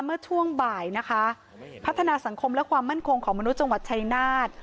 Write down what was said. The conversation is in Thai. เมื่อช่วงบ่ายนะคะพัฒนาสังคมและความมั่นคงของมนุษย์จังหวัดชายนาฏ